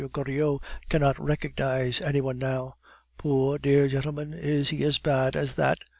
Goriot cannot recognize any one now." "Poor, dear gentleman, is he as bad at that?"